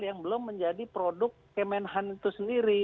yang belum menjadi produk kemenhan itu sendiri